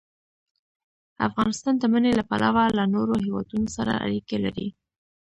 افغانستان د منی له پلوه له نورو هېوادونو سره اړیکې لري.